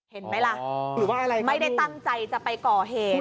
เห็นไหมละไม่ได้ตั้งใจจะไปก่อเหตุ